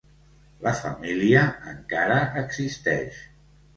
La família encara existeix.